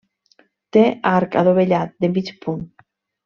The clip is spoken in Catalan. Té arc adovellat, de mig punt.